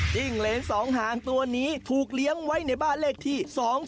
จิ้งเหล่นสองหางตัวนี้ถูกเลี้ยงไว้ในบ้าเล็กที่๒๐๙๘